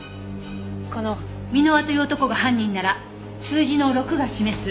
この箕輪という男が犯人なら数字の６が示す